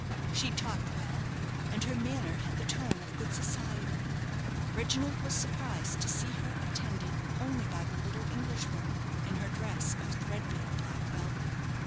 She talked well, and her manner had the tone of good society. Reginald was surprised to see her attended only by the little Englishwoman, in her dress of threadbare black velvet.